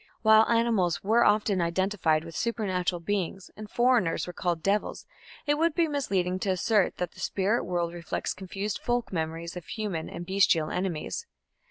While animals were often identified with supernatural beings, and foreigners were called "devils", it would be misleading to assert that the spirit world reflects confused folk memories of human and bestial enemies.